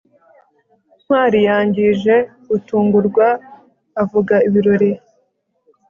ntwali yangije gutungurwa avuga ibirori